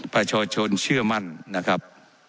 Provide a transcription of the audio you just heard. ว่าการกระทรวงบาทไทยนะครับ